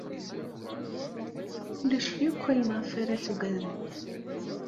Ulac akk ayen ayɣef ara taggademt.